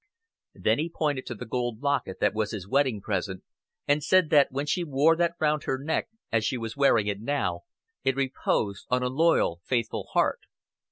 Then he pointed to the gold locket that was his wedding present, and said that when she wore that round her neck, as she was wearing it now, "it reposed on a loyal, faithful heart."